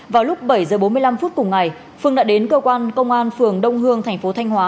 vào lúc bảy h bốn mươi năm phút cùng ngày phương đã đến cơ quan công an phường đông hương thành phố thanh hóa